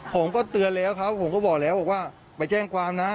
ผมก็เตือนแล้วครับผมก็บอกแล้วบอกว่าไปแจ้งความนะ